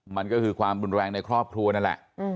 มันก็คือความรุนแรงในครอบครัวนั่นแหละ